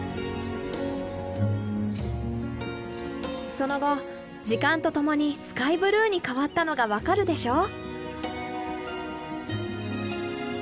その後時間とともにスカイブルーに変わったのが分かるでしょう。